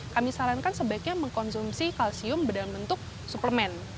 kami sarankan sebaiknya mengkonsumsi kalsium dalam bentuk suplemen